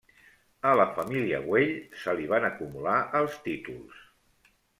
A la família Güell se li van acumular els títols.